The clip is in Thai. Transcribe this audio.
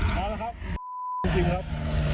มาแล้วครับ